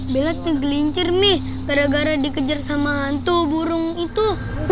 bella tuh gelincir nih gara gara dikejar sama hantu burung itu